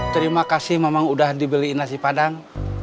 terima kasih memang udah dibeliin nasi padang